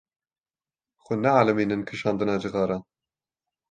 Xwe neelîmînin kişandina cixaran.